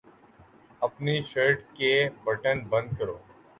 اپنی شرٹ کے بٹن بند کرو